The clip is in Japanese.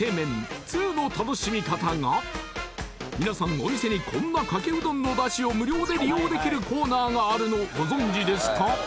お店にこんなかけうどんのだしを無料で利用できるコーナーがあるのご存じですか？